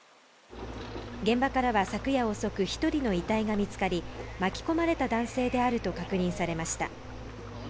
現場からは昨夜遅く、１人の遺体が見つかり巻き込まれた男性であると確認されました。